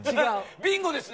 ビンゴですね！